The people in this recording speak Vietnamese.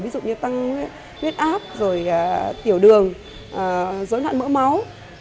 ví dụ như tăng huyết áp rồi tiểu đường dối loạn mỡ máu